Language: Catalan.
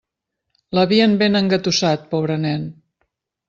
L'havien ben engatussat, pobre nen.